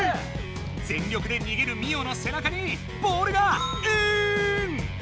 全力でにげるミオのせなかにボールがイン！